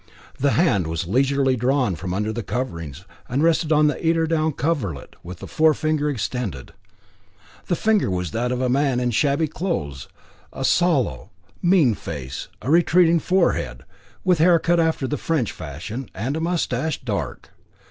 The hand was leisurely drawn from under the coverings and rested on the eider down coverlet, with the forefinger extended. The figure was that of a man, in shabby clothes, with a sallow, mean face, a retreating forehead, with hair cut after the French fashion, and a moustache, dark.